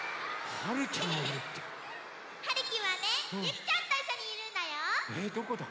はるちゃん？はるきはねゆきちゃんといっしょにいるんだよ！